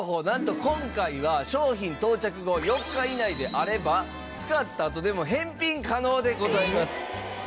なんと今回は商品到着後４日以内であれば使ったあとでも返品可能でございます。